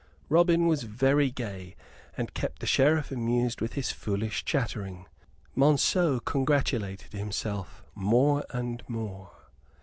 Robin was very gay, and kept the Sheriff amused with his foolish chattering. Monceux congratulated himself more and more.